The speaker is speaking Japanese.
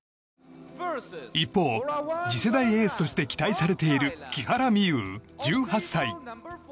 一方、次世代エースとして期待されている木原美悠、１８歳。